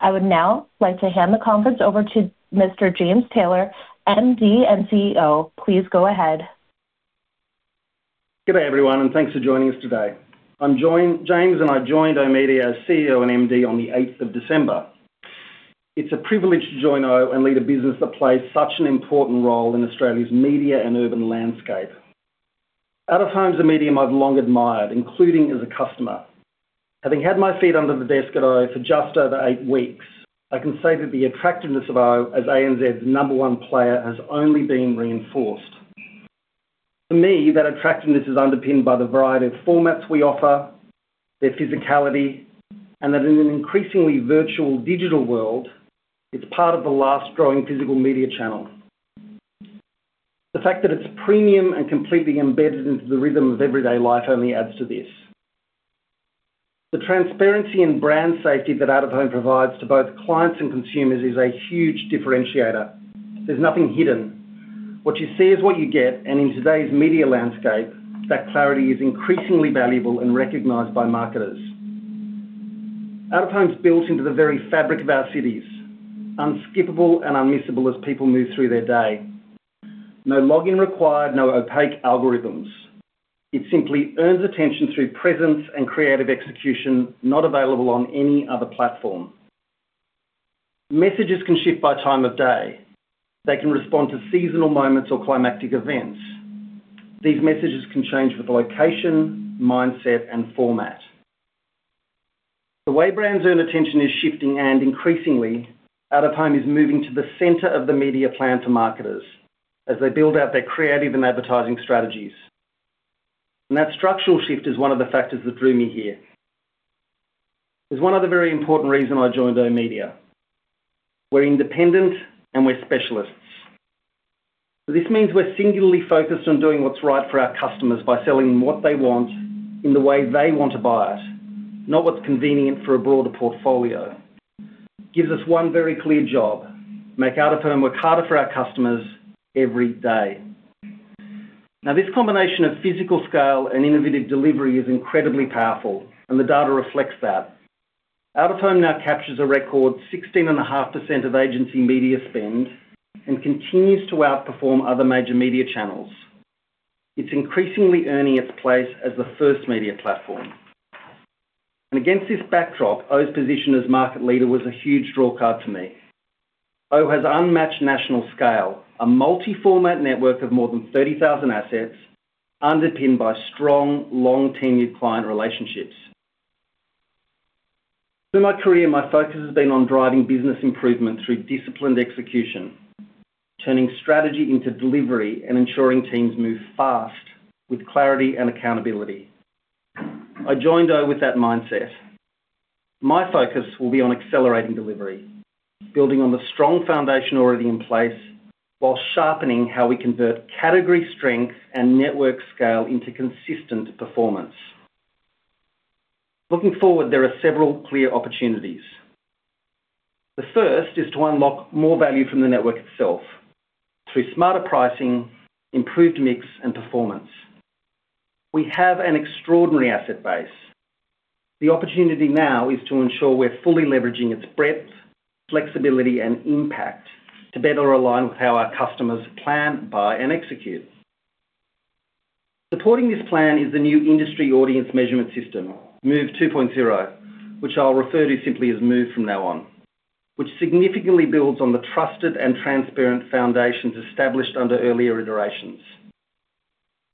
I would now like to hand the conference over to Mr. James Taylor, MD, and CEO. Please go ahead. Good day, everyone, and thanks for joining us today. Since I joined oOh!media as CEO and MD on the 8th of December. It's a privilege to join oOh! and lead a business that plays such an important role in Australia's media and urban landscape. Out-of-Home is a medium I've long admired, including as a customer. Having had my feet under the desk at oOh! for just over eight weeks, I can say that the attractiveness of oOh! as ANZ's number one player has only been reinforced. To me, that attractiveness is underpinned by the variety of formats we offer, their physicality, and that in an increasingly virtual digital world, it's part of the last growing physical media channel. The fact that it's premium and completely embedded into the rhythm of everyday life only adds to this. The transparency and brand safety that Out-of-Home provides to both clients and consumers is a huge differentiator. There's nothing hidden. What you see is what you get, and in today's media landscape, that clarity is increasingly valuable and recognized by marketers. Out-of-Home is built into the very fabric of our cities, unskippable and unmissable as people move through their day. No login required, no opaque algorithms. It simply earns attention through presence and creative execution, not available on any other platform. Messages can shift by time of day. They can respond to seasonal moments or climactic events. These messages can change with location, mindset, and format. The way brands earn attention is shifting, and increasingly, Out-of-Home is moving to the center of the media plan to marketers as they build out their creative and advertising strategies. That structural shift is one of the factors that drew me here. There's one other very important reason I joined oOh!media: we're independent, and we're specialists. This means we're singularly focused on doing what's right for our customers by selling what they want in the way they want to buy it, not what's convenient for a broader portfolio. Gives us one very clear job: make Out-of-Home work harder for our customers every day. Now, this combination of physical scale and innovative delivery is incredibly powerful, and the data reflects that. Out-of-Home now captures a record 16.5% of agency media spend and continues to outperform other major media channels. It's increasingly earning its place as the first media platform. And against this backdrop, oOh!media's position as market leader was a huge drawcard to me. oOh!media has unmatched national scale, a multi-format network of more than 30,000 assets, underpinned by strong, long-tenured client relationships. Through my career, my focus has been on driving business improvement through disciplined execution, turning strategy into delivery, and ensuring teams move fast with clarity and accountability. I joined oOh! with that mindset. My focus will be on accelerating delivery, building on the strong foundation already in place, while sharpening how we convert category strength and network scale into consistent performance. Looking forward, there are several clear opportunities. The first is to unlock more value from the network itself through smarter pricing, improved mix, and performance. We have an extraordinary asset base. The opportunity now is to ensure we're fully leveraging its breadth, flexibility, and impact to better align with how our customers plan, buy, and execute. Supporting this plan is the new industry audience measurement system, MOVE 2.0, which I'll refer to simply as MOVE from now on, which significantly builds on the trusted and transparent foundations established under earlier iterations.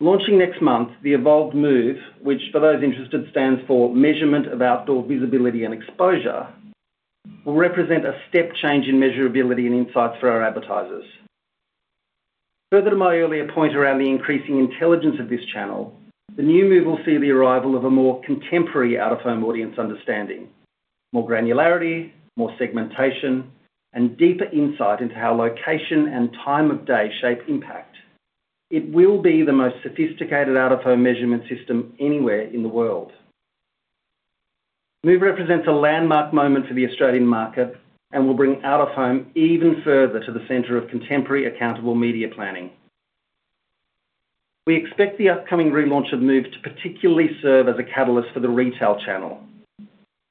Launching next month, the evolved MOVE, which for those interested, stands for Measurement of Outdoor Visibility and Exposure, will represent a step change in measurability and insights for our advertisers. Further to my earlier point around the increasing intelligence of this channel, the new MOVE will see the arrival of a more contemporary Out-of-Home audience understanding, more granularity, more segmentation, and deeper insight into how location and time of day shape impact. It will be the most sophisticated Out-of-Home measurement system anywhere in the world. MOVE represents a landmark moment for the Australian market and will bring Out-of-Home even further to the center of contemporary, accountable media planning. We expect the upcoming relaunch of MOVE to particularly serve as a catalyst for the retail channel.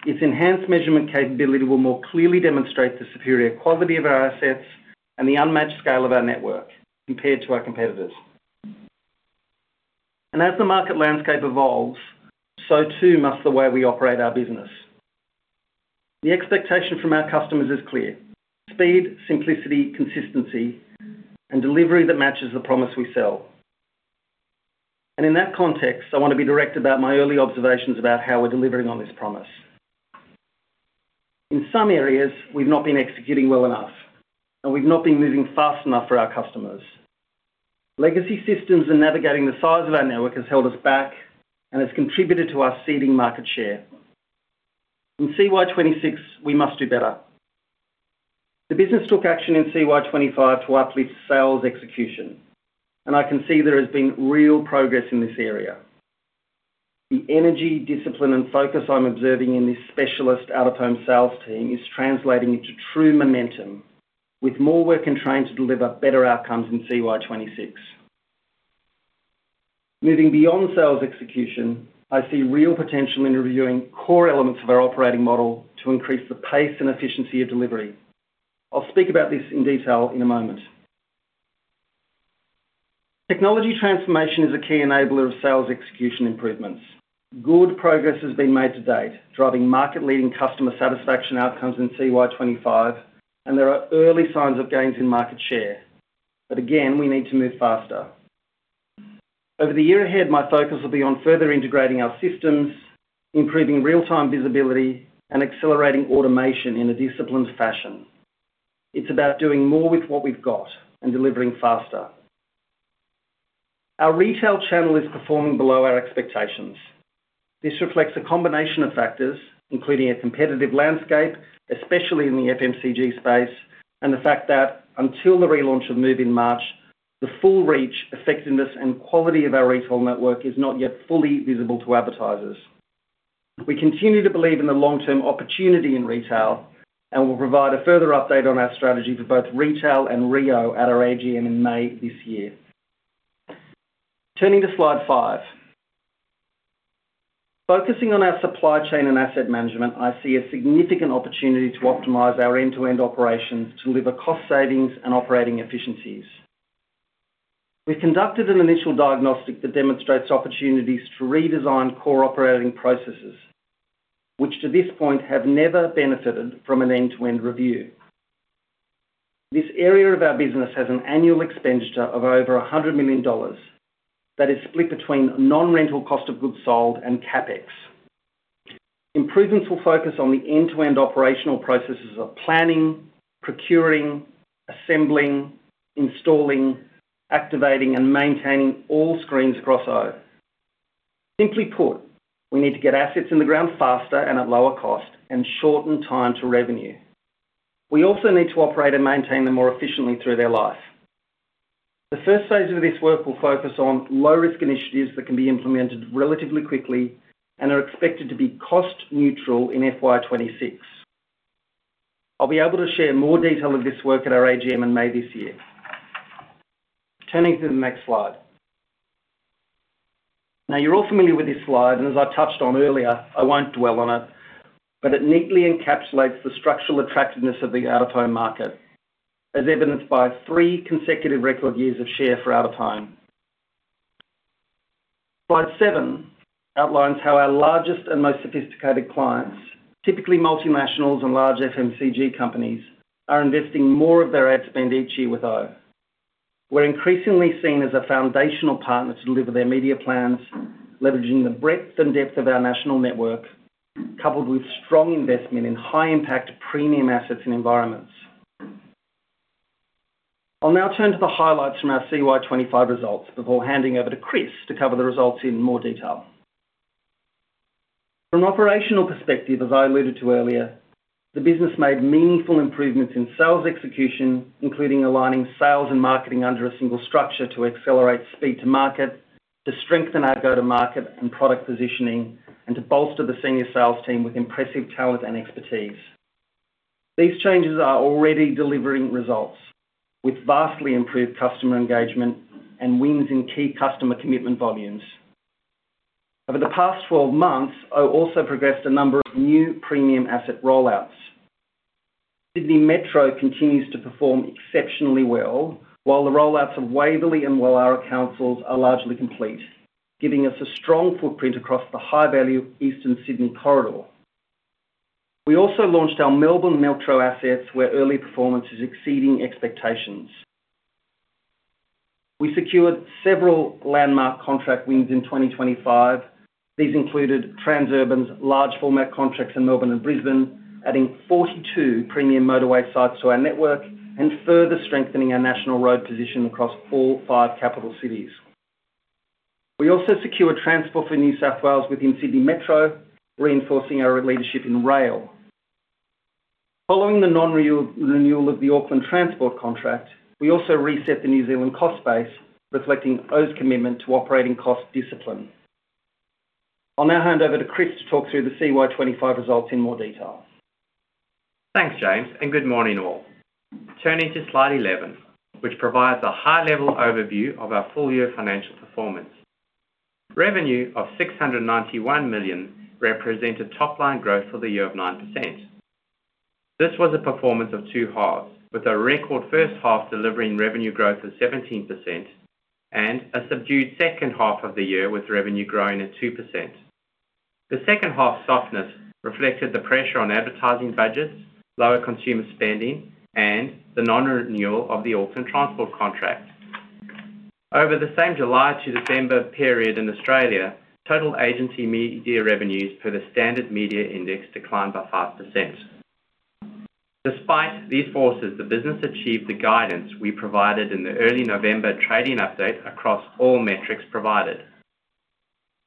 Its enhanced measurement capability will more clearly demonstrate the superior quality of our assets and the unmatched scale of our network compared to our competitors. And as the market landscape evolves, so too must the way we operate our business. The expectation from our customers is clear: speed, simplicity, consistency, and delivery that matches the promise we sell. And in that context, I want to be direct about my early observations about how we're delivering on this promise. In some areas, we've not been executing well enough, and we've not been moving fast enough for our customers. Legacy systems and navigating the size of our network has held us back and has contributed to our ceding market share. In CY 2026, we must do better. The business took action in CY 2025 to uplift sales execution, and I can see there has been real progress in this area. The energy, discipline, and focus I'm observing in this specialist Out-of-Home sales team is translating into true momentum, with more work in trying to deliver better outcomes in CY 2026. Moving beyond sales execution, I see real potential in reviewing core elements of our operating model to increase the pace and efficiency of delivery. I'll speak about this in detail in a moment. Technology transformation is a key enabler of sales execution improvements. Good progress has been made to date, driving market-leading customer satisfaction outcomes in CY 2025, and there are early signs of gains in market share. But again, we need to move faster. Over the year ahead, my focus will be on further integrating our systems, improving real-time visibility, and accelerating automation in a disciplined fashion. It's about doing more with what we've got and delivering faster. Our retail channel is performing below our expectations. This reflects a combination of factors, including a competitive landscape, especially in the FMCG space, and the fact that until the relaunch of MOVE in March, the full reach, effectiveness, and quality of our retail network is not yet fully visible to advertisers. We continue to believe in the long-term opportunity in retail, and we'll provide a further update on our strategy for both retail and reo at our AGM in May this year. Turning to slide five. Focusing on our supply chain and asset management, I see a significant opportunity to optimize our end-to-end operations to deliver cost savings and operating efficiencies. We've conducted an initial diagnostic that demonstrates opportunities to redesign core operating processes, which, to this point, have never benefited from an end-to-end review. This area of our business has an annual expenditure of over $100 million that is split between non-rental cost of goods sold and CapEx. Improvements will focus on the end-to-end operational processes of planning, procuring, assembling, installing, activating, and maintaining all screens across oOh!. Simply put, we need to get assets in the ground faster and at lower cost, and shorten time to revenue. We also need to operate and maintain them more efficiently through their life. The first phase of this work will focus on low-risk initiatives that can be implemented relatively quickly and are expected to be cost neutral in FY 2026. I'll be able to share more detail of this work at our AGM in May this year. Turning to the next slide. Now, you're all familiar with this slide, and as I touched on earlier, I won't dwell on it, but it neatly encapsulates the structural attractiveness of the Out-of-Home market, as evidenced by three consecutive record years of share for Out-of-Home. Slide seven outlines how our largest and most sophisticated clients, typically multinationals and large FMCG companies, are investing more of their ad spend each year with oOh!. We're increasingly seen as a foundational partner to deliver their media plans, leveraging the breadth and depth of our national network, coupled with strong investment in high-impact premium assets and environments. I'll now turn to the highlights from our CY 2025 results before handing over to Chris to cover the results in more detail. From an operational perspective, as I alluded to earlier, the business made meaningful improvements in sales execution, including aligning sales and marketing under a single structure to accelerate speed to market, to strengthen our go-to-market and product positioning, and to bolster the senior sales team with impressive talent and expertise. These changes are already delivering results, with vastly improved customer engagement and wins in key customer commitment volumes. Over the past 12 months, oOh! also progressed a number of new premium asset rollouts. Sydney Metro continues to perform exceptionally well, while the rollouts of Waverley and Woollahra Councils are largely complete, giving us a strong footprint across the high-value Eastern Sydney corridor. We also launched our Melbourne Metro assets, where early performance is exceeding expectations. We secured several landmark contract wins in 2025. These included Transurban's large format contracts in Melbourne and Brisbane, adding 42 premium motorway sites to our network and further strengthening our national road position across all five capital cities. We also secured Transport for New South Wales within Sydney Metro, reinforcing our leadership in rail. Following the non-renewal of the Auckland Transport contract, we also reset the New Zealand cost base, reflecting oOh!'s commitment to operating cost discipline. I'll now hand over to Chris to talk through the CY 2025 results in more detail. Thanks, James, and good morning, all. Turning to slide 11, which provides a high-level overview of our full year financial performance. Revenue of $691 million represented top-line growth for the year of 9%. This was a performance of two halves, with a record first half delivering revenue growth of 17% and a subdued second half of the year, with revenue growing at 2%. The second half softness reflected the pressure on advertising budgets, lower consumer spending, and the non-renewal of the Auckland Transport contract. Over the same July to December period in Australia, total agency media revenues per the Standard Media Index declined by 5%. Despite these forces, the business achieved the guidance we provided in the early November trading update across all metrics provided.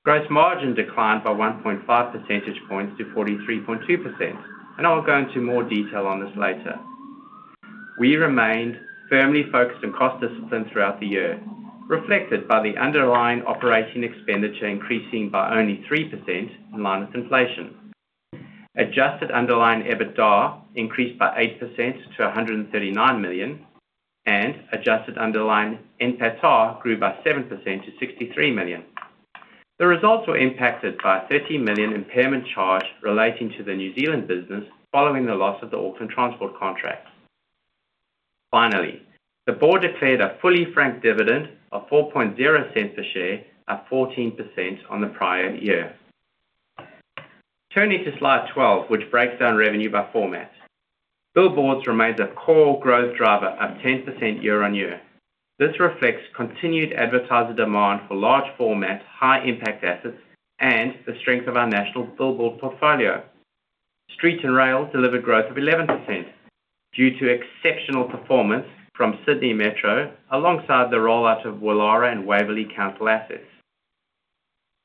Gross margin declined by 1.5 percentage points to 43.2%, and I'll go into more detail on this later. We remained firmly focused on cost discipline throughout the year, reflected by the underlying operating expenditure increasing by only 3% in line with inflation. Adjusted underlying EBITDA increased by 8% to $139 million, and adjusted underlying NPAT grew by 7% to $63 million. The results were impacted by a $13 million impairment charge relating to the New Zealand business, following the loss of the Auckland Transport contract. Finally, the board declared a fully franked dividend of $0.04 per share, up 14% on the prior year. Turning to slide 12, which breaks down revenue by format. Billboards remains a core growth driver, up 10% year-on-year. This reflects continued advertiser demand for large format, high-impact assets, and the strength of our national billboard portfolio. Street and Rail delivered growth of 11% due to exceptional performance from Sydney Metro, alongside the rollout of Woollahra Council and Waverley Council assets.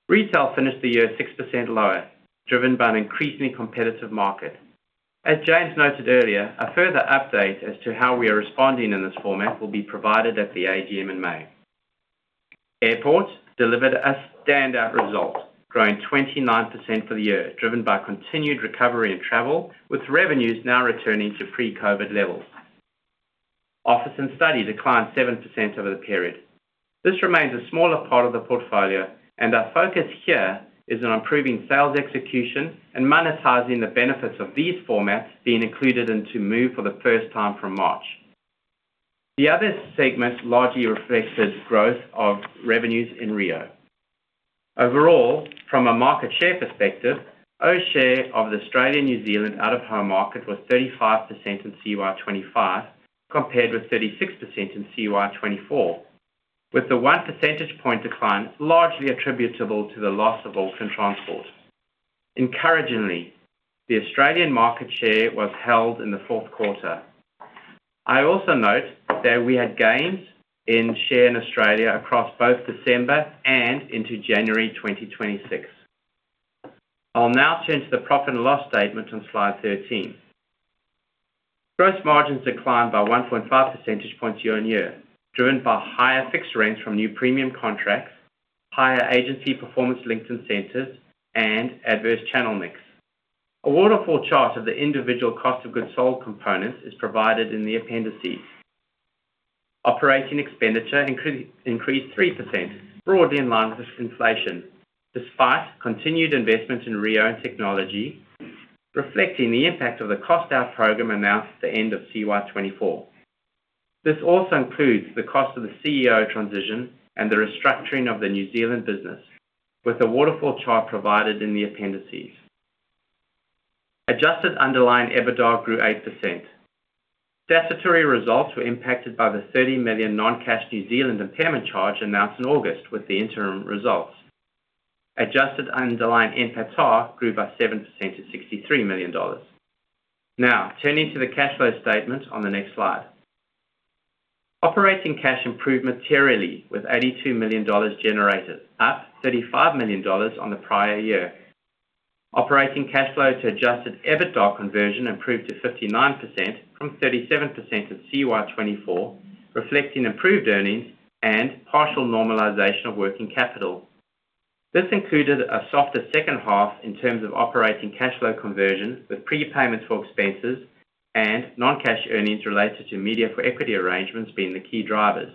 Retail finished the year 6% lower, driven by an increasingly competitive market. As James noted earlier, a further update as to how we are responding in this format will be provided at the AGM in May. Airport delivered a standout result, growing 29% for the year, driven by continued recovery in travel, with revenues now returning to pre-COVID levels. Office and Study declined 7% over the period. This remains a smaller part of the portfolio, and our focus here is on improving sales execution and monetizing the benefits of these formats being included into MOVE for the first time from March. The other segment largely reflected growth of revenues in reo. Overall, from a market share perspective, oOh!'s share of the Australian, New Zealand Out-of-Home market was 35% in CY 2025, compared with 36% in CY 2024, with the one percentage point decline largely attributable to the loss of Auckland Transport. Encouragingly, the Australian market share was held in the fourth quarter. I also note that we had gains in share in Australia across both December and into January 2026. I'll now turn to the profit and loss statement on slide 13. Gross margins declined by 1.5 percentage points year-on-year, driven by higher fixed rents from new premium contracts, higher agency performance-linked incentives, and adverse channel mix. A waterfall chart of the individual cost of goods sold components is provided in the appendices. Operating expenditure increased 3%, broadly in line with inflation, despite continued investment in reo and technology, reflecting the impact of the cost out program announced at the end of CY 2024. This also includes the cost of the CEO transition and the restructuring of the New Zealand business, with a waterfall chart provided in the appendices. Adjusted underlying EBITDA grew 8%. Statutory results were impacted by the $30 million non-cash New Zealand impairment charge announced in August, with the interim results. Adjusted underlying NPAT grew by 7% to $63 million. Now, turning to the cash flow statement on the next slide. Operating cash improved materially, with $82 million generated, up $35 million on the prior year. Operating cash flow to adjusted EBITDA conversion improved to 59% from 37% in CY 2024, reflecting improved earnings and partial normalization of working capital. This included a softer second half in terms of operating cash flow conversion, with prepayments for expenses and non-cash earnings related to media for equity arrangements being the key drivers.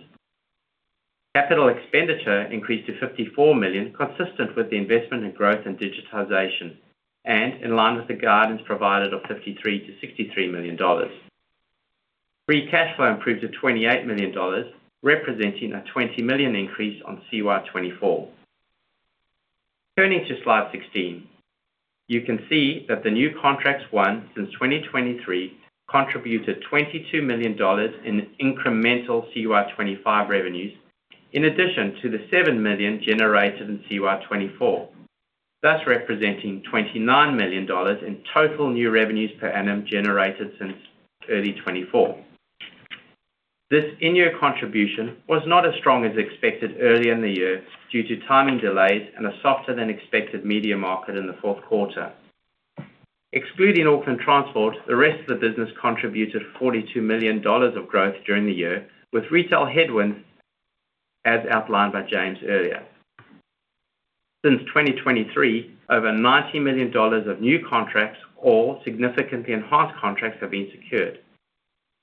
Capital expenditure increased to $54 million, consistent with the investment in growth and digitization, and in line with the guidance provided of $53 million-$63 million. Free cash flow improved to $28 million, representing a $20 million increase on CY 2024. Turning to slide 16, you can see that the new contracts won since 2023 contributed $22 million in incremental CY 2025 revenues, in addition to the $7 million generated in CY 2024, thus representing $29 million in total new revenues per annum generated since early 2024. This in-year contribution was not as strong as expected earlier in the year, due to timing delays and a softer-than-expected media market in the fourth quarter. Excluding Auckland Transport, the rest of the business contributed $42 million of growth during the year, with retail headwinds, as outlined by James earlier. Since 2023, over $90 million of new contracts or significantly enhanced contracts have been secured.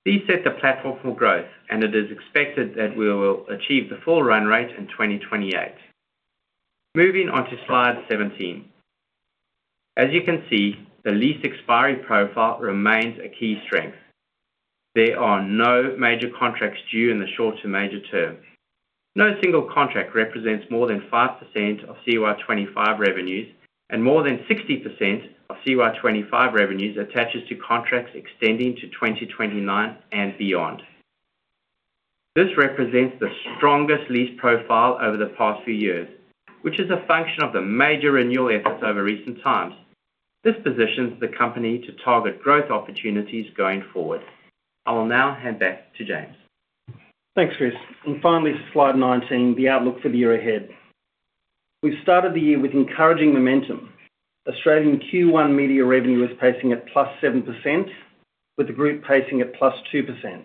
These set the platform for growth, and it is expected that we will achieve the full run rate in 2028. Moving on to slide 17. As you can see, the lease expiry profile remains a key strength. There are no major contracts due in the short to medium term. No single contract represents more than 5% of CY 2025 revenues, and more than 60% of CY 2025 revenues attaches to contracts extending to 2029 and beyond. This represents the strongest lease profile over the past few years, which is a function of the major renewal efforts over recent times. This positions the company to target growth opportunities going forward. I will now hand back to James. Thanks, Chris. And finally, to slide 19, the outlook for the year ahead. We've started the year with encouraging momentum. Australian Q1 media revenue is pacing at +7%, with the group pacing at +2%.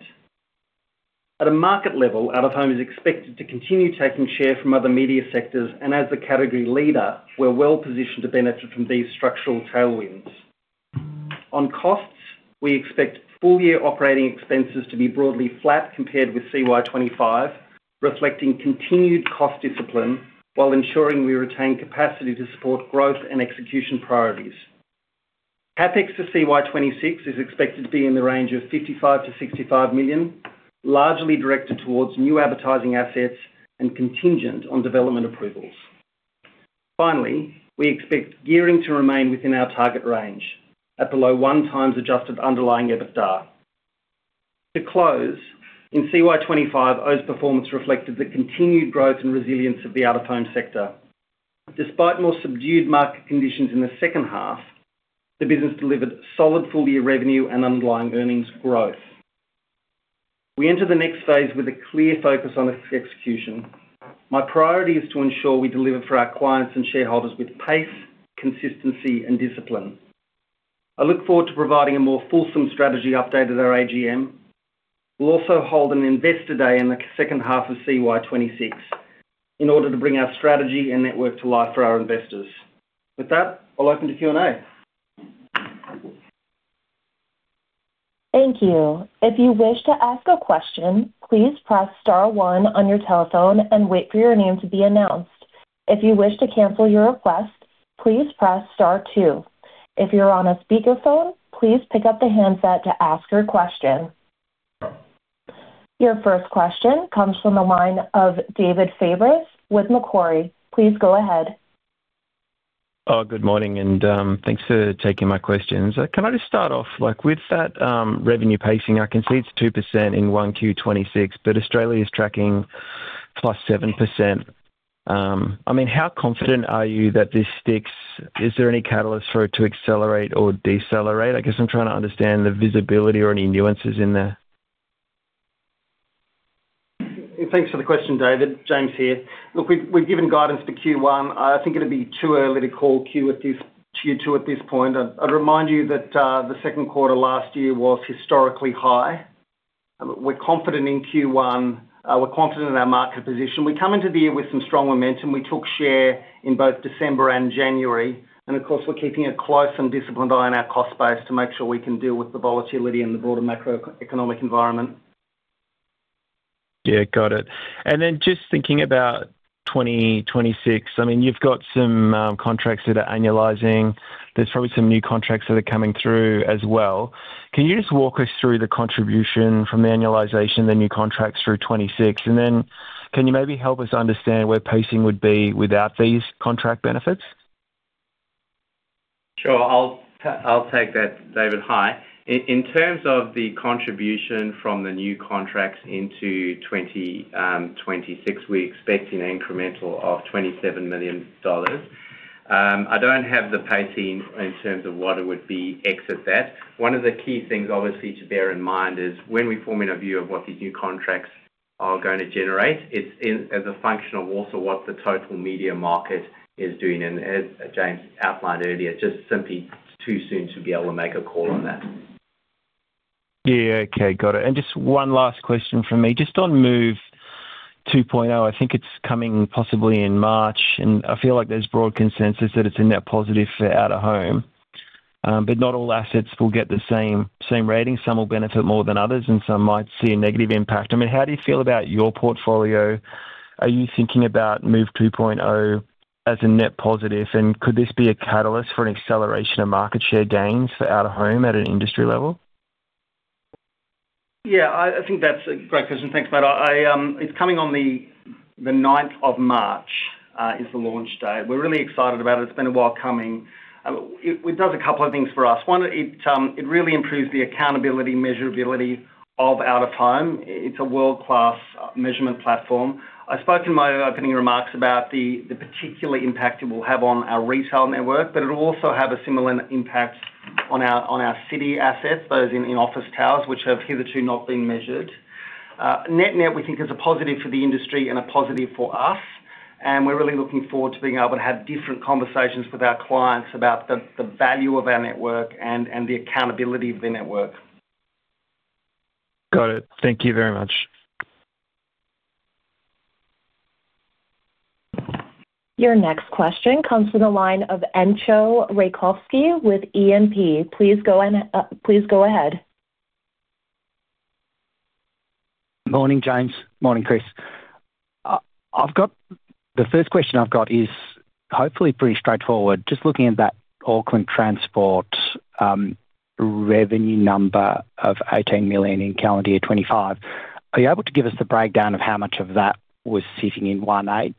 At a market level, Out-of-Home is expected to continue taking share from other media sectors, and as the category leader, we're well positioned to benefit from these structural tailwinds. On costs, we expect full year operating expenses to be broadly flat compared with CY 2025, reflecting continued cost discipline while ensuring we retain capacity to support growth and execution priorities. CapEx for CY 2026 is expected to be in the range of $55 million-$65 million, largely directed towards new advertising assets and contingent on development approvals. Finally, we expect gearing to remain within our target range at below 1x adjusted underlying EBITDA. To close, in CY 2025, oOh!'s performance reflected the continued growth and resilience of the Out-of-Home sector. Despite more subdued market conditions in the second half, the business delivered solid full year revenue and underlying earnings growth. We enter the next phase with a clear focus on this execution. My priority is to ensure we deliver for our clients and shareholders with pace, consistency, and discipline. I look forward to providing a more fulsome strategy update at our AGM. We'll also hold an Investor Day in the second half of CY 2026 in order to bring our strategy and network to life for our investors. With that, I'll open to Q&A. Thank you. If you wish to ask a question, please press star one on your telephone and wait for your name to be announced. If you wish to cancel your request, please press star two. If you're on a speakerphone, please pick up the handset to ask your question. Your first question comes from the line of David Fabris with Macquarie. Please go ahead. Oh, good morning, and thanks for taking my questions. Can I just start off, like, with that revenue pacing? I can see it's 2% in 1Q 2026, but Australia is tracking +7%. I mean, how confident are you that this sticks? Is there any catalyst for it to accelerate or decelerate? I guess I'm trying to understand the visibility or any nuances in there. Thanks for the question, David. James here. Look, we've given guidance for Q1. I think it'd be too early to call Q2 at this point. I'd remind you that the second quarter last year was historically high. We're confident in Q1. We're confident in our market position. We come into the year with some strong momentum. We took share in both December and January, and of course, we're keeping a close and disciplined eye on our cost base to make sure we can deal with the volatility and the broader macroeconomic environment. Yeah, got it. And then just thinking about 2026, I mean, you've got some contracts that are annualizing. There's probably some new contracts that are coming through as well. Can you just walk us through the contribution from the annualization, the new contracts through 2026? And then can you maybe help us understand where pacing would be without these contract benefits? Sure, I'll take that, David. Hi. In terms of the contribution from the new contracts into 2026, we're expecting an incremental of$27 million. I don't have the pacing in terms of what it would be ex of that. One of the key things, obviously, to bear in mind is when we form in a view of what the new contracts are going to generate, it's in, as a function of also what the total media market is doing. And as James outlined earlier, just simply too soon to be able to make a call on that. Yeah, okay. Got it. And just one last question from me, just on MOVE 2.0. I think it's coming possibly in March, and I feel like there's broad consensus that it's a net positive for Out-of-Home, but not all assets will get the same, same rating. Some will benefit more than others, and some might see a negative impact. I mean, how do you feel about your portfolio? Are you thinking about MOVE 2.0 as a net positive, and could this be a catalyst for an acceleration of market share gains for Out-of-Home at an industry level? Yeah, I think that's a great question. Thanks, mate. It's coming on the ninth of March is the launch day. We're really excited about it. It's been a while coming. It does a couple of things for us. One, it really improves the accountability, measurability of Out-of-Home. It's a world-class measurement platform. I spoke in my opening remarks about the particular impact it will have on our retail network, but it'll also have a similar impact on our city assets, those in office towers, which have hitherto not been measured. Net-net, we think, is a positive for the industry and a positive for us, and we're really looking forward to being able to have different conversations with our clients about the value of our network and the accountability of the network. Got it. Thank you very much. Your next question comes from the line of Entcho Raykovski with E&P. Please go ahead. Morning, James. Morning, Chris. I've got, the first question I've got is hopefully pretty straightforward. Just looking at that Auckland Transport, revenue number of $18 million in calendar year 2025, are you able to give us a breakdown of how much of that was sitting in 1H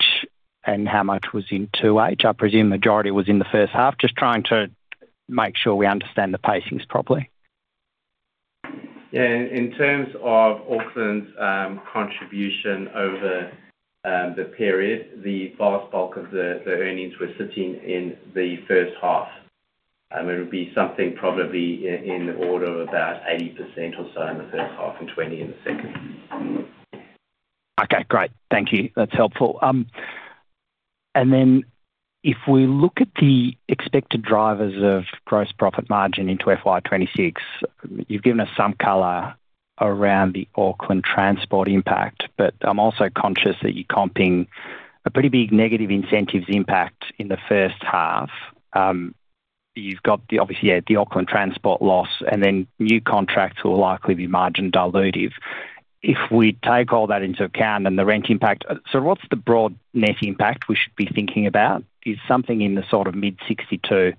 and how much was in 2H? I presume majority was in the first half. Just trying to make sure we understand the pacings properly. Yeah. In terms of Auckland's contribution over the period, the vast bulk of the earnings were sitting in the first half, and it would be something probably in the order of about 80% or so in the first half and 20 in the second. Okay, great. Thank you. That's helpful. And then if we look at the expected drivers of gross profit margin into FY 2026, you've given us some color around the Auckland Transport impact, but I'm also conscious that you're comping a pretty big negative incentives impact in the first half. You've got the obviously, yeah, the Auckland Transport loss, and then new contracts will likely be margin dilutive. If we take all that into account and the rent impact, so what's the broad net impact we should be thinking about? Is something in the sort of mid-62%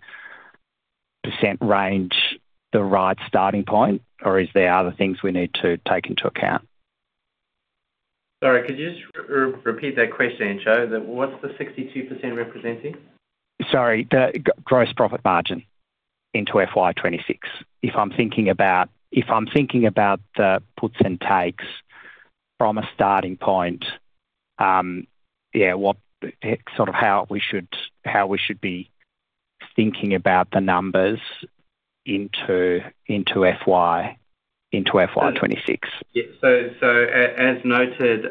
range, the right starting point, or is there other things we need to take into account? Sorry, could you just re-repeat that question, Entcho? The-- what's the 62% representing? Sorry, the gross profit margin into FY 2026. If I'm thinking about the puts and takes from a starting point, yeah, what sort of how we should be thinking about the numbers into FY 2026. Yeah. So, as noted, in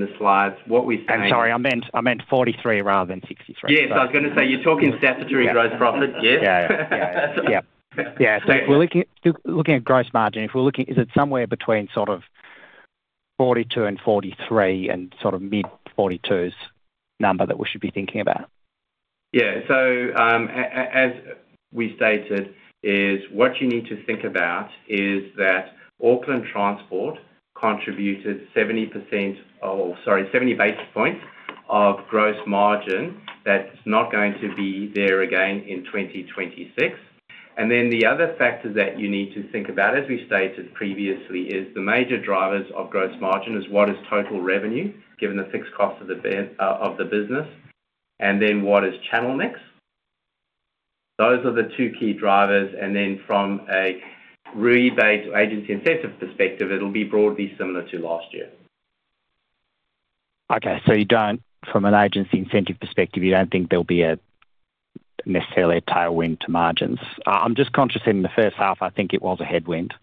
the slides, what we're saying- I'm sorry, I meant, I meant 43% rather than 63%. Yes, I was going to say, you're talking statutory gross profit. Yeah. Yeah. Yeah. So we're looking at, looking at gross margin. If we're looking—is it somewhere between sort of 42% and 43% and sort of mid-40s number that we should be thinking about? Yeah. So, as we stated, what you need to think about is that Auckland Transport contributed 70 basis points of gross margin. That's not going to be there again in 2026. And then the other factor that you need to think about, as we stated previously, is the major drivers of gross margin: what is total revenue, given the fixed cost of the business, and then what is channel mix? Those are the two key drivers, and then from a rebate agency incentive perspective, it'll be broadly similar to last year. Okay, so you don't-- from an agency incentive perspective, you don't think there'll be necessarily a tailwind to margins? I'm just conscious in the first half, I think it was a headwind.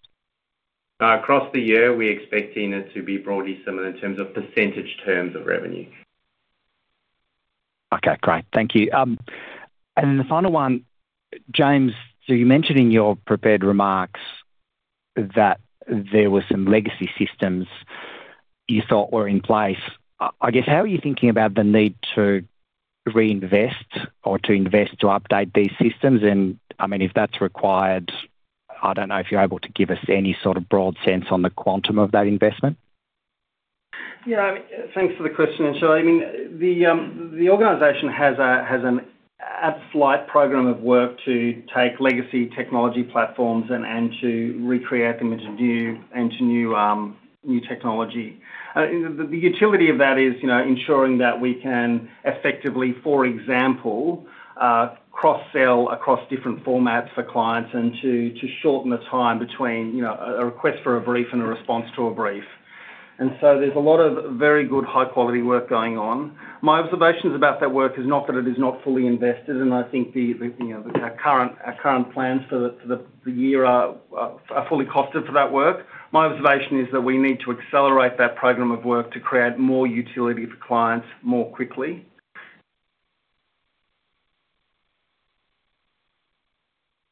Across the year, we're expecting it to be broadly similar in terms of percentage terms of revenue. Okay, great. Thank you. And then the final one, James, so you mentioned in your prepared remarks that there were some legacy systems you thought were in place. I guess, how are you thinking about the need to reinvest or to invest to update these systems? And I mean, if that's required, I don't know if you're able to give us any sort of broad sense on the quantum of that investment. Yeah, thanks for the question, and sure, I mean, the organization has a slight program of work to take legacy technology platforms and to recreate them into new, into new, new technology. The utility of that is, you know, ensuring that we can effectively, for example, cross-sell across different formats for clients and to shorten the time between, you know, a request for a brief and a response to a brief. And so there's a lot of very good, high quality work going on. My observations about that work is not that it is not fully invested, and I think the, you know, our current plans for the year are fully costed for that work. My observation is that we need to accelerate that program of work to create more utility for clients more quickly.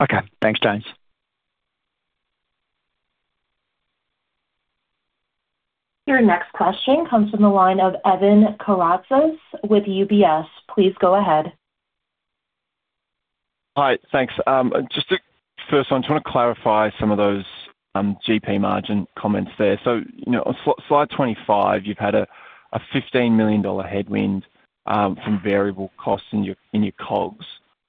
Okay, thanks, James. Your next question comes from the line of Evan Karatzas with UBS. Please go ahead. Hi, thanks. Just to first, I want to clarify some of those GP margin comments there. So, you know, on slide 25, you've had a fifteen million dollar headwind from variable costs in your COGS,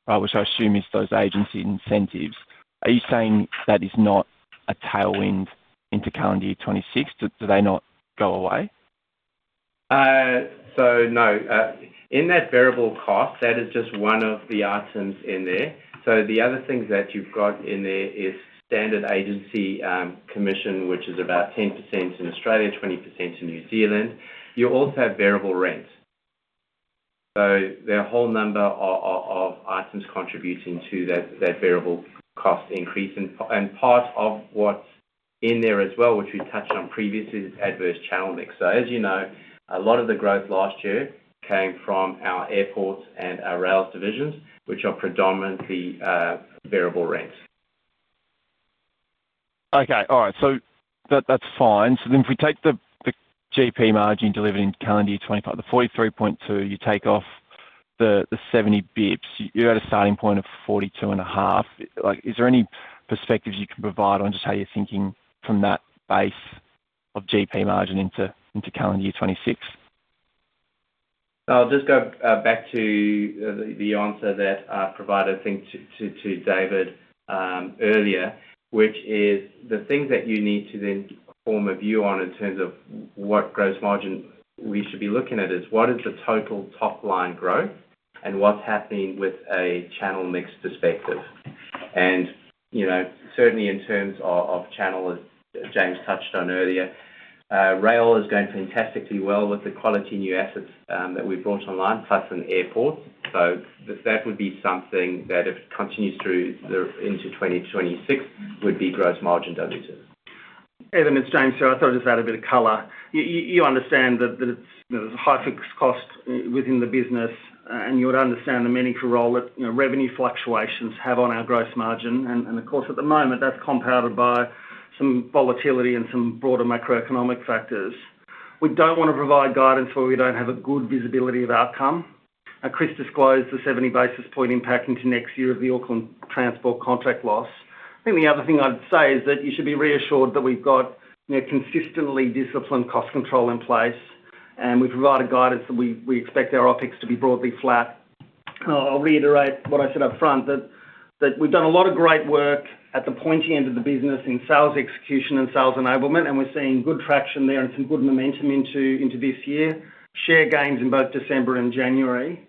which I assume is those agency incentives. Are you saying that is not a tailwind into calendar year 2026? Do they not go away? So no. In that variable cost, that is just one of the items in there. So the other things that you've got in there is standard agency commission, which is about 10% in Australia, 20% in New Zealand. You also have variable rent. So there are a whole number of items contributing to that variable cost increase. And part of what's in there as well, which we touched on previously, is adverse channel mix. So as you know, a lot of the growth last year came from our airports and our rails divisions, which are predominantly variable rents. Okay. All right. So that's fine. So then if we take the GP margin delivered in calendar year 2025, the 43.2%, you take off the 70 basis points, you're at a starting point of 42.5%. Like, is there any perspectives you can provide on just how you're thinking from that base of GP margin into calendar year 2026? I'll just go back to the answer that provided, I think, to David earlier, which is the things that you need to then form a view on in terms of what gross margin we should be looking at, is what is the total top line growth? And what's happening with a channel mix perspective. And, you know, certainly in terms of channel, as James touched on earlier, rail is going fantastically well with the quality new assets that we've brought online, plus an airport. So that would be something that if continues through into 2026, would be gross margin dilutive. Evan, it's James. So I thought I'd just add a bit of color. You understand that it's, there's a high fixed cost within the business, and you would understand the meaningful role that, you know, revenue fluctuations have on our gross margin. And of course, at the moment, that's compounded by some volatility and some broader macroeconomic factors. We don't want to provide guidance where we don't have a good visibility of outcome. And Chris disclosed the 70 basis points impact into next year of the Auckland Transport contract loss. I think the other thing I'd say is that you should be reassured that we've got, you know, consistently disciplined cost control in place, and we've provided guidance, and we expect our OpEx to be broadly flat. I'll reiterate what I said up front, that we've done a lot of great work at the pointy end of the business in sales execution and sales enablement, and we're seeing good traction there and some good momentum into this year. Share gains in both December and January. And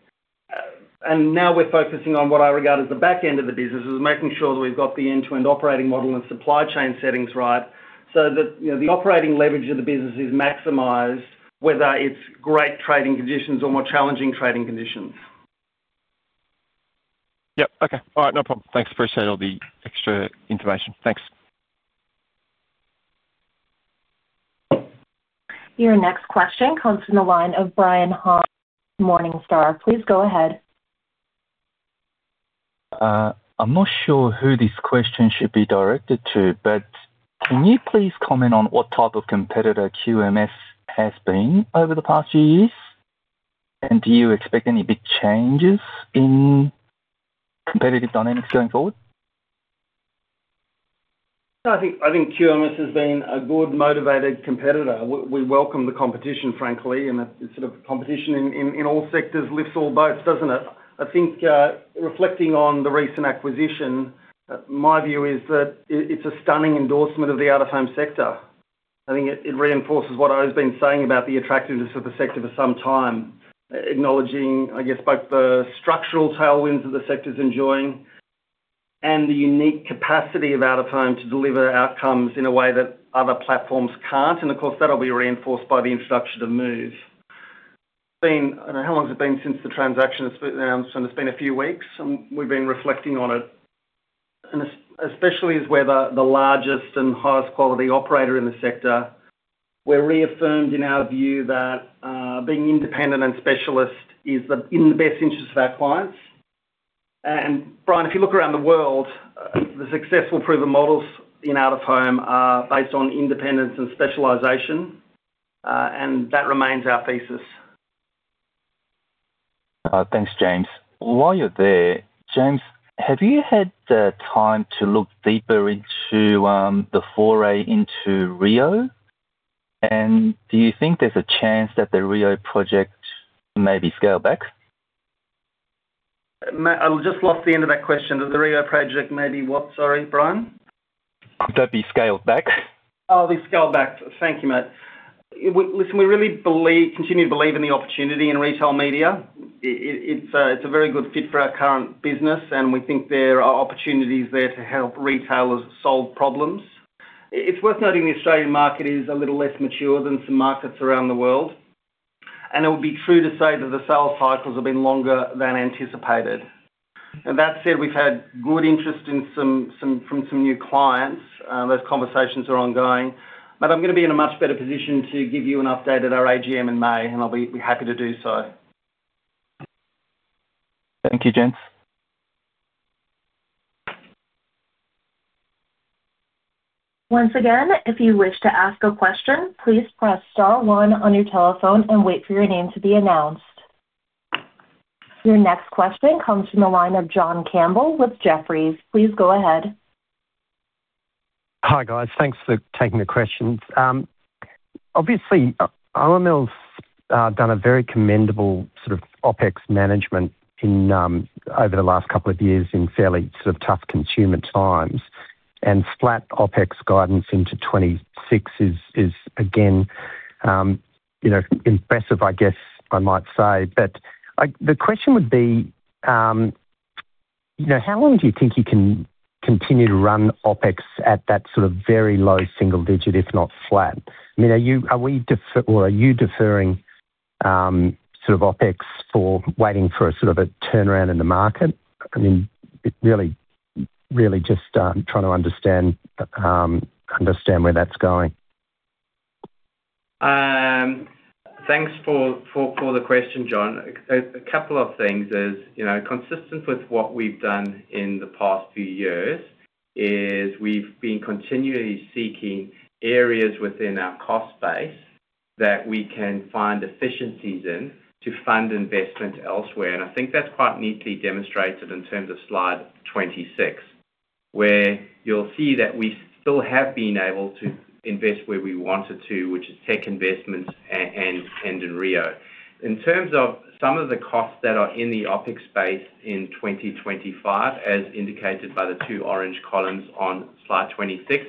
now we're focusing on what I regard as the back end of the business, is making sure that we've got the end-to-end operating model and supply chain settings right, so that, you know, the operating leverage of the business is maximized, whether it's great trading conditions or more challenging trading conditions. Yep. Okay. All right, no problem. Thanks. Appreciate all the extra information. Thanks. Your next question comes from the line of Brian Han, Morningstar. Please go ahead. I'm not sure who this question should be directed to, but can you please comment on what type of competitor QMS has been over the past few years? Do you expect any big changes in competitive dynamics going forward? I think, I think QMS has been a good, motivated competitor. We, we welcome the competition, frankly, and it's sort of competition in, in, in all sectors lifts all boats, doesn't it? I think, reflecting on the recent acquisition, my view is that it, it's a stunning endorsement of the Out-of-Home sector. I think it, it reinforces what I've been saying about the attractiveness of the sector for some time, acknowledging, I guess, both the structural tailwinds that the sector's enjoying and the unique capacity of Out-of-Home to deliver outcomes in a way that other platforms can't, and of course, that'll be reinforced by the introduction of MOVE. It's been. I don't know, how long has it been since the transaction was announced? And it's been a few weeks, and we've been reflecting on it. Especially as we're the largest and highest quality operator in the sector, we're reaffirmed in our view that being independent and specialist is in the best interest of our clients. Brian, if you look around the world, the successful proven models in Out-of-Home are based on independence and specialization, and that remains our thesis. Thanks, James. While you're there, James, have you had the time to look deeper into the foray into reo? And do you think there's a chance that the reo project may be scaled back? I just lost the end of that question. That the reo project may be what, sorry, Brian? Could that be scaled back? Oh, be scaled back. Thank you, mate. We listen, we really believe, continue to believe in the opportunity in retail media. It's a very good fit for our current business, and we think there are opportunities there to help retailers solve problems. It's worth noting the Australian market is a little less mature than some markets around the world, and it would be true to say that the sales cycles have been longer than anticipated. And that said, we've had good interest from some new clients. Those conversations are ongoing. But I'm going to be in a much better position to give you an update at our AGM in May, and I'll be happy to do so. Thank you, James. Once again, if you wish to ask a question, please press star one on your telephone and wait for your name to be announced. Your next question comes from the line of John Campbell with Jefferies. Please go ahead. Hi, guys. Thanks for taking the questions. Obviously, OML's done a very commendable sort of OpEx management in over the last couple of years in fairly sort of tough consumer times, and flat OpEx guidance into 2026 is, is again, you know, impressive, I guess I might say. But, like, the question would be, you know, how long do you think you can continue to run OpEx at that sort of very low single digit, if not flat? I mean, are you-- are we defer-- or are you deferring, sort of OpEx for waiting for a sort of a turnaround in the market? I mean, it really, really just, I'm trying to understand, understand where that's going. Thanks for the question, John. A couple of things is, you know, consistent with what we've done in the past few years is we've been continually seeking areas within our cost base that we can find efficiencies in to fund investment elsewhere. And I think that's quite neatly demonstrated in terms of slide 26, where you'll see that we still have been able to invest where we wanted to, which is tech investments and in reo. In terms of some of the costs that are in the OpEx space in 2025, as indicated by the two orange columns on slide 26,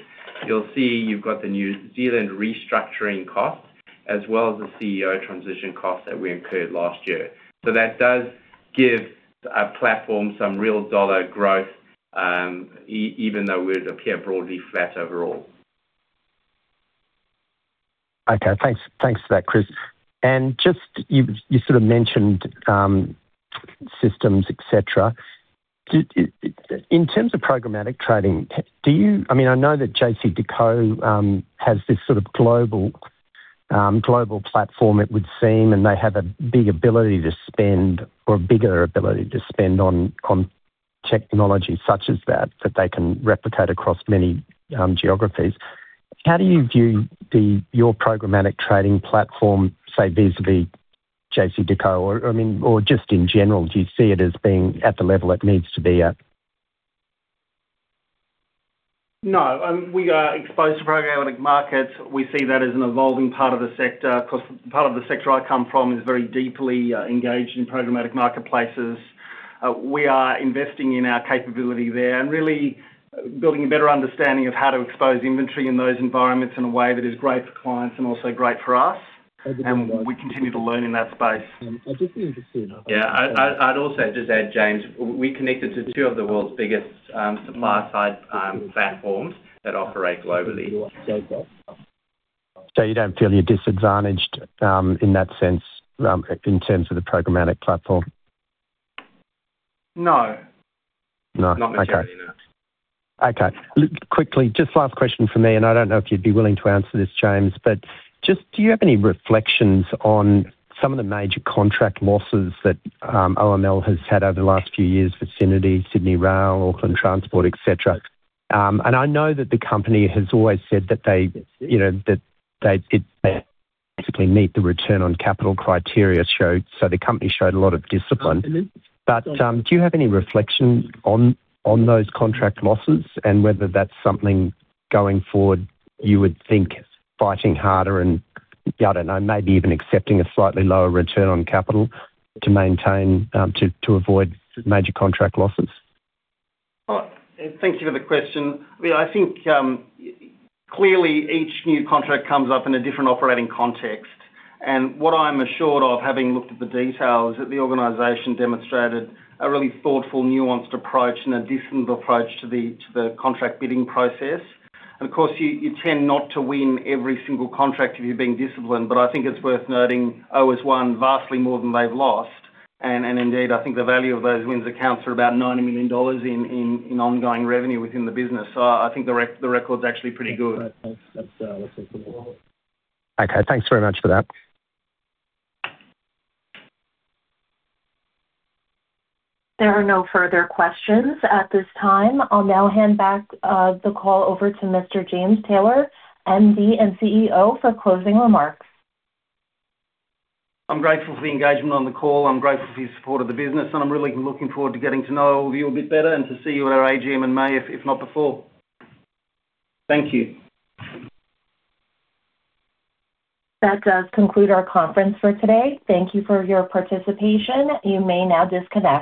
you'll see you've got the New Zealand restructuring costs, as well as the CEO transition costs that we incurred last year. So that does give our platform some real dollar growth, even though we'd appear broadly flat overall. Okay, thanks. Thanks for that, Chris. And just you sort of mentioned systems, et cetera. Do, in terms of programmatic trading, do you—I mean, I know that JCDecaux has this sort of global global platform, it would seem, and they have a big ability to spend or a bigger ability to spend on technology such as that that they can replicate across many geographies. How do you view your programmatic trading platform, say, vis-à-vis JCDecaux? Or, I mean, or just in general, do you see it as being at the level it needs to be at? No, we are exposed to programmatic markets. We see that as an evolving part of the sector, because part of the sector I come from is very deeply engaged in programmatic marketplaces. We are investing in our capability there and really building a better understanding of how to expose inventory in those environments in a way that is great for clients and also great for us, and we continue to learn in that space. I'm just interested- Yeah, I'd also just add, James, we're connected to two of the world's biggest supply-side platforms that operate globally. So you don't feel you're disadvantaged, in that sense, in terms of the programmatic platform? No. No. Okay. Not necessarily, no. Okay, quickly, just last question for me, and I don't know if you'd be willing to answer this, James, but just do you have any reflections on some of the major contract losses that OML has had over the last few years, Vicinity, Sydney Rail, Auckland Transport, et cetera? And I know that the company has always said that they, you know, that they, it basically meet the return on capital criteria showed, so the company showed a lot of discipline. But do you have any reflections on those contract losses and whether that's something going forward you would think fighting harder and, I don't know, maybe even accepting a slightly lower return on capital to maintain, to avoid major contract losses? Well, thank you for the question. I think clearly, each new contract comes up in a different operating context, and what I'm assured of, having looked at the details, is that the organization demonstrated a really thoughtful, nuanced approach and a disciplined approach to the contract bidding process. And of course, you tend not to win every single contract if you're being disciplined, but I think it's worth noting, oOh! has won vastly more than they've lost, and indeed, I think the value of those wins accounts for about $90 million in ongoing revenue within the business. So I think the record is actually pretty good. Okay, thanks very much for that. There are no further questions at this time. I'll now hand back the call over to Mr. James Taylor, MD and CEO, for closing remarks. I'm grateful for the engagement on the call. I'm grateful for your support of the business, and I'm really looking forward to getting to know all of you a bit better and to see you at our AGM in May, if, if not before. Thank you. That does conclude our conference for today. Thank you for your participation. You may now disconnect.